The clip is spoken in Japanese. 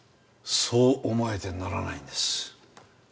そう思えてならないんです。